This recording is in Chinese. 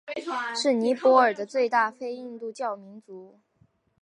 是尼泊尔的最大非印度教民族。